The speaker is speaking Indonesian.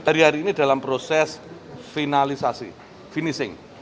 hari hari ini dalam proses finalisasi finishing